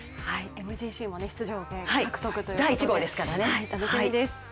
ＭＧＣも出場権を獲得ということで楽しみです。